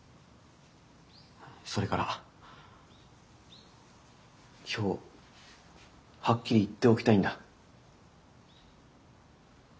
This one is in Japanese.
それから今日はっきり言っておきたいんだ。